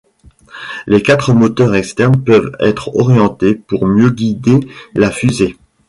Les quatre moteurs externes peuvent être orientés pour mieux guider la fusée.